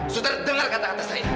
suter dengar kata kata saya